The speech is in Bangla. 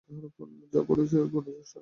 যা বলেছো, সালি!